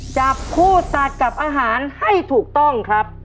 จับคู่ตัดกับอาหารให้ถูกต้องครับ